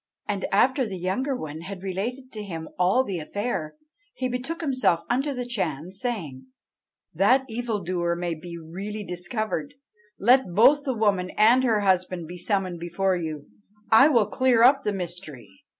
And after the younger one had related to him all the affair, he betook himself unto the Chan, saying, 'That the evildoer may be really discovered, let both the woman and her husband be summoned before you; I will clear up the mystery.'